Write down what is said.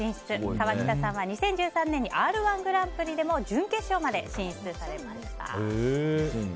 川北さんは２０１３年に「Ｒ‐１ぐらんぷり」でも準決勝まで進出されました。